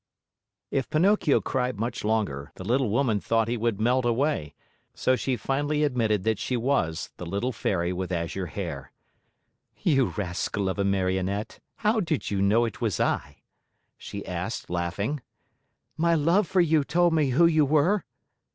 If Pinocchio cried much longer, the little woman thought he would melt away, so she finally admitted that she was the little Fairy with Azure Hair. "You rascal of a Marionette! How did you know it was I?" she asked, laughing. "My love for you told me who you were."